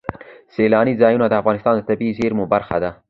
سیلانی ځایونه د افغانستان د طبیعي زیرمو برخه ده.